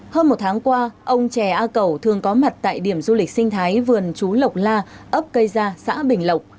hơn một tháng qua ông trẻ a cẩu thường có mặt tại điểm du lịch sinh thái vườn chú lộc la ấp cây ra xã bình lộc